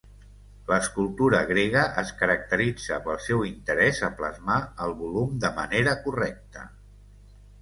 L'escultura grega es caracteritza pel seu interès a plasmar el volum de manera correcta.